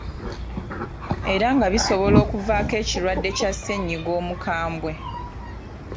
Era nga bisobola okuvaako ekirwadde kya ssennyiga omukambwe.